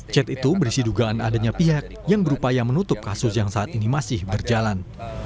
chat itu berisi dugaan adanya pihak yang berupaya menutup kasus yang saat ini masih berjalan